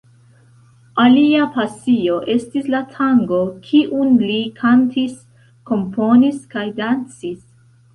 Alia pasio estis la tango, kiun li kantis, komponis kaj dancis.